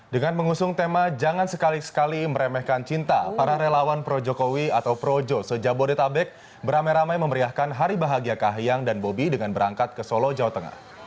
dengan mengusung tema jangan sekali sekali meremehkan cinta para relawan pro jokowi atau projo sejabodetabek beramai ramai memberiakan hari bahagia kahyang dan bobi dengan berangkat ke solo jawa tengah